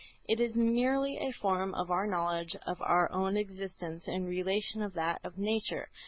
It is merely a form of our knowledge of our own existence in relation to that of nature.